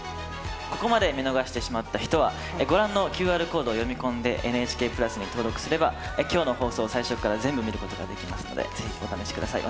ここまで見逃してしまった人はご覧のＱＲコードを読み込んで「ＮＨＫプラス」に登録すれば今日の放送を最初から全部見ることができますので是非お試し下さい。